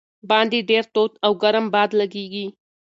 باندې ډېر تود او ګرم باد لګېږي.